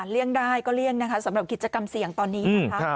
เรียงได้ก็เรียงสำหรับกิจกรรมเสี่ยงตอนนี้